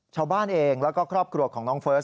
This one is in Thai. ชาวบ้านเองแล้วก็ครอบครัวของน้องเฟิร์ส